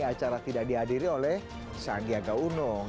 acara tidak dihadiri oleh sanggiaga unung